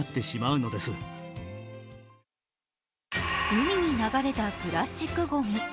海に流れたプラスチックごみ。